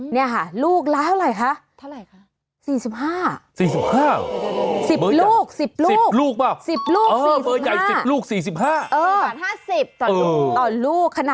เนี่ยค่ะลูกร้ายเท่าไหร่คะ